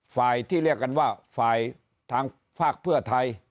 ฝ่ายที่เรียกกันว่าฝ่ายทางฝากเพื่อไทย